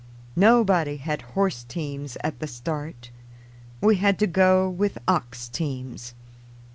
Nobody had horse teams at the start; we had to go with ox teams.